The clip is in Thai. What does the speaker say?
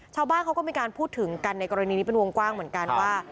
ชาวบ้านเขาก็มีการพูดถึงกันในกรณีนี้เป็นวงกว้างเหมือนกันว่า